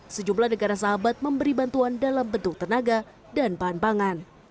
sejumlah negara sahabat memberi bantuan dalam bentuk tenaga dan bahan pangan